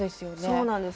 そうなんです